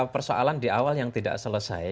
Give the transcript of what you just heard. persoalan di awal yang tidak selesai